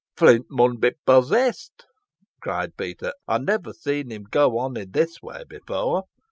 "Flint mun be possessed," cried Peter. "Ey never seed him go on i' this way efore.